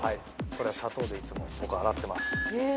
これは砂糖でいつも僕洗ってます。